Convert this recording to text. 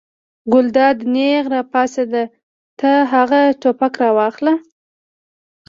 ګلداد نېغ را پاڅېد: ته هغه ټوپک راواخله.